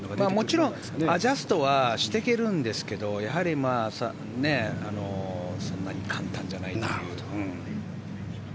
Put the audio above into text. もちろんアジャストしていけますけどやはり、そんなに簡単じゃないという。